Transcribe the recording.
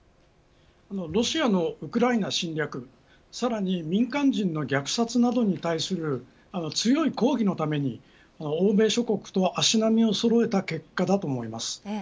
ロシアのウクライナ侵略さらに民間人の虐殺などに対する強い抗議のために欧米諸国と足並みをそろえた結果だと思います。